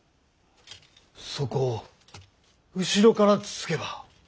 そこを後ろからつつけば。